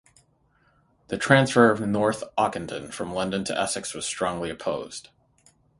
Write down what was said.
The transfer of North Ockendon from London to Essex was strongly opposed.